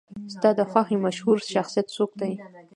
ستا د خوښې مشهور شخصیت څوک دی؟